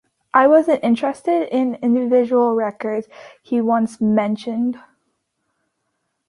"I wasn't interested in individual records," he once mentioned.